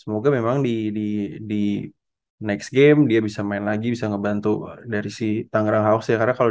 kamu ke memang di di next gamemudah bisa main lagi bisa ngebantu dari si tanggal harus karena kalau